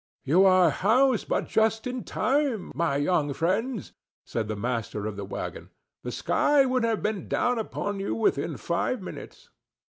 "You are housed but just in time, my young friends," said the master of the wagon; "the sky would have been down upon you within five minutes."